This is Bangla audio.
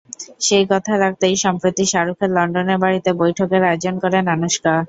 সেই কথা রাখতেই সম্প্রতি শাহরুখের লন্ডনের বাড়িতে বৈঠকের আয়োজন করেন আনুশকা।